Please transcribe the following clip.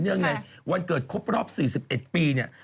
ในวันเกิดครบรอบ๔๑ปีเนี่ย